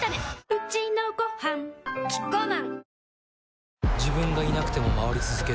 うちのごはんキッコーマン